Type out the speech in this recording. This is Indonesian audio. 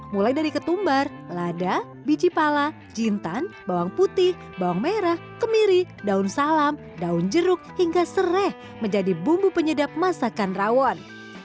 mulai dari ketumbar lada biji pala jintan bawang putih bawang merah kemiri daun salam daun jeruk hingga serai menjadi bumbu penyedap masakan rawon